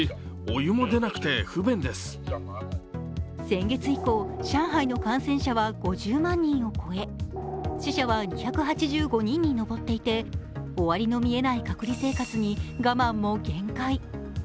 先月以降、上海の感染者は５０万人を超え死者は２８５人に上っていて終わりの見えない隔離生活に我慢も限界。